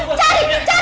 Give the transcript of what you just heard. cari cari orang itu